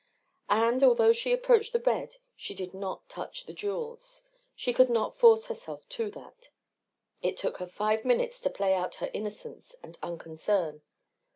And, although she approached the bed she did not touch the jewels. She could not force herself to that. It took her five minutes to play out her innocence and unconcern.